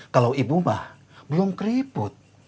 kalau ibu mah belum keriput